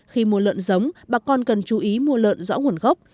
khi mua lợn giống bà con cần chú ý mua lợn rõ nguồn gốc